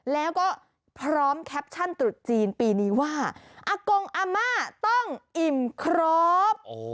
แล้วก็พร้อมแคปชั่นตรุษจีนปีนี้ว่าอากงอาม่าต้องอิ่มครบ